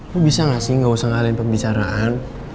lo bisa gak sih gak usah ngalihin pembicaraan